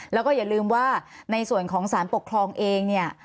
แล้วก็อย่าลืมว่าในส่วนของสารปกครองเองเนี่ย